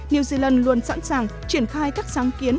new zealand luôn sẵn sàng triển khai các sáng kiến